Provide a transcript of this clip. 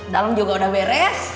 dalam juga udah beres